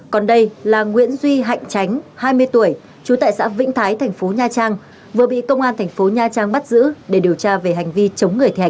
còn đây là nguyễn duy hạnh tránh hai mươi tuổi trú tại xã vĩnh thái tp nha trang